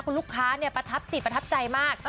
คุณลูกค้าประทับจิตประทับใจมาก